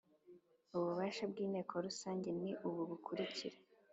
ububasha bw inteko rusange ni ubu bukurikira